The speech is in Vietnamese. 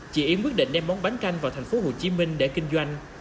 chị yến quyết định đem món bánh canh vào thành phố hồ chí minh để kinh doanh